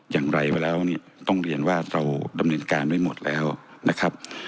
อย่างไรไปแล้วเนี่ยต้องเรียนว่าเราดำเนินการไว้หมดแล้วนะครับ